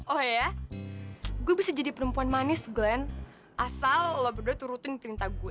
oh ya gue bisa jadi perempuan manis glenn asal lo berdua turutin perintah gue